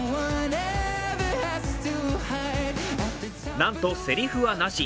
なんと、せりふはなし。